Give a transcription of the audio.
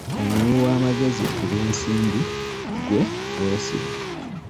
Omuwi w'amagezi ku by'ensimbi gwe weesiga.